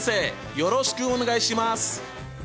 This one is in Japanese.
よろしくお願いします！